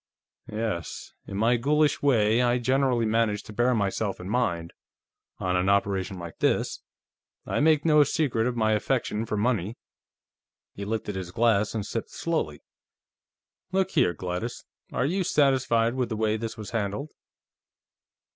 "Yes. In my ghoulish way, I generally manage to bear myself in mind, on an operation like this. I make no secret of my affection for money." He lifted his glass and sipped slowly. "Look here, Gladys; are you satisfied with the way this was handled?"